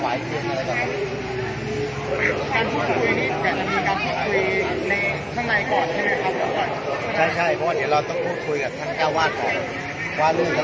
สวัสดีครับพี่เบนสวัสดีครับ